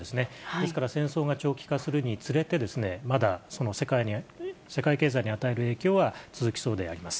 ですから戦争が長期化するにつれて、まだ、その世界経済に与える影響は続きそうであります。